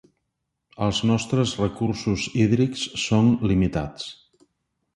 Els nostres recursos hídrics són limitats.